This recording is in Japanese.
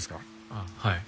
ああはい。